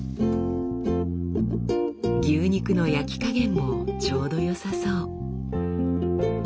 牛肉の焼き加減もちょうど良さそう。